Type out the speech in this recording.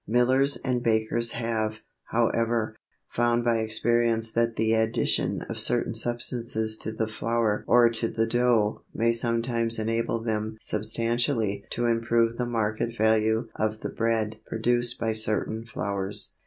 Millers and bakers have, however, found by experience that the addition of certain substances to the flour or to the dough may sometimes enable them substantially to improve the market value of the bread produced by certain flours.